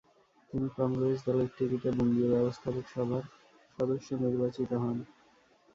তিনি কংগ্রেস দলের টিকিটে বঙ্গীয় ব্যবস্থাপক সভার সদস্য নির্বাচিত হন।